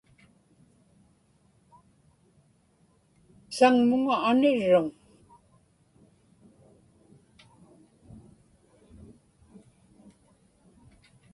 saŋmuŋa anirruŋ